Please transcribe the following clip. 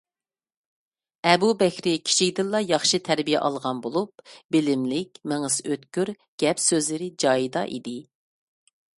ئەبۇ بەكرى كىچىكىدىنلا ياخشى تەربىيە ئالغان بولۇپ، بىلىملىك، مېڭىسى ئۆتكۈر، گەپ-سۆزلىرى جايىدا ئىدى.